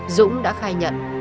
dũng đã khai nhận